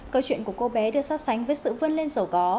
câu chuyện của cô bé được so sánh với sự vươn lên dầu gó